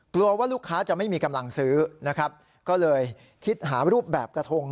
กลัวว่าลูกค้าจะไม่มีกำลังซื้อนะครับก็เลยคิดหารูปแบบกระทง